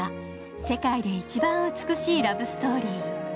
世界で一番美しいラブストーリー。